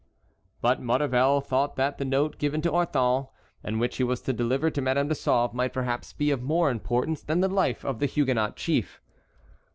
But Maurevel thought that the note given to Orthon and which he was to deliver to Madame de Sauve might perhaps be of more importance than the life of the Huguenot chief.